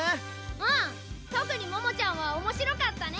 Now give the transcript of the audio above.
うん特にももちゃんはおもしろかったね。